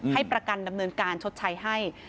ให้ประกันดำเนินการชดใช้ให้